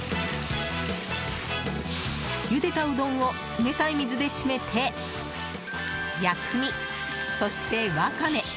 ゆでたうどんを冷たい水で締めて薬味、そしてワカメ。